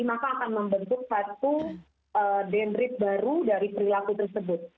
maka akan membentuk satu dendrit baru dari perilaku tersebut